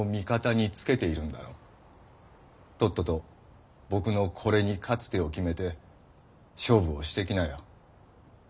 とっとと僕のこれに「勝つ手」を決めて勝負をして来なよ！